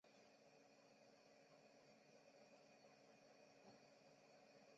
中国铁路工程集团的前身是铁道部基本建设总局。